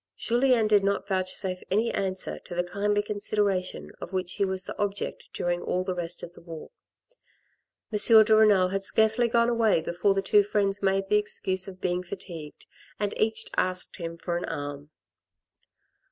Julien did not vouchsafe any answer to the kindly consideration of which he was the object during all the rest of the walk. M. de Renal had scarcely gone away before the two friends made the excuse of being fatigued, and each asked him for an arm.